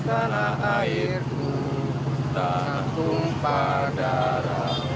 indonesia tanah airku takut padara